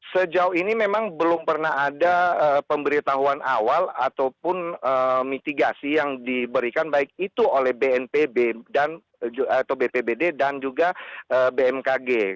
sejauh ini memang belum pernah ada pemberitahuan awal ataupun mitigasi yang diberikan baik itu oleh bnpb atau bpbd dan juga bmkg